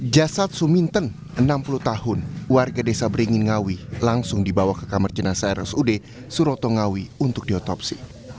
jasad suminten enam puluh tahun warga desa beringin ngawi langsung dibawa ke kamar jenazah rsud suroto ngawi untuk diotopsi